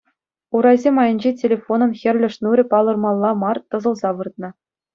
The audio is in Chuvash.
Урасем айӗнче телефонӑн хӗрлӗ шнурӗ палӑрмалла мар тӑсӑлса выртнӑ.